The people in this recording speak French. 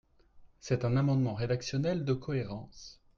C’est un amendement rédactionnel de cohérence.